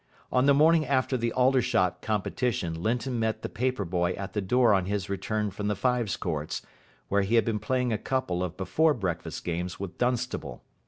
On the morning after the Aldershot competition Linton met the paper boy at the door on his return from the fives courts, where he had been playing a couple of before breakfast games with Dunstable.